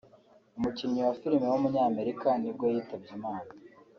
umukinnyi wa film w’umunyamerika nibwo yitabye Imana